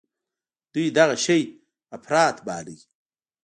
دوى دغه شى اپرات باله.